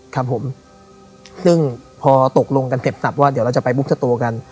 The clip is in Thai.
ครับผมซึ่งพอตกลงกันเก็บสับว่าเดี๋ยวเราจะไปบุ๊กจะโตกัน